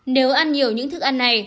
nếu ăn nhiều những thức ăn này